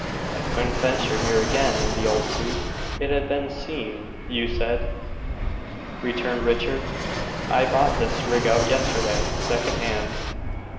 "I couldn't venture here again in the old suit; it had been seen, you said," returned Richard. "I bought this rig out yesterday, second hand.